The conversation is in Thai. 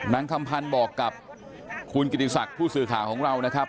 คำพันธ์บอกกับคุณกิติศักดิ์ผู้สื่อข่าวของเรานะครับ